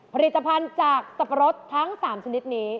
ผลิตภัณฑ์จากสับปะรดทั้ง๓ชนิดนี้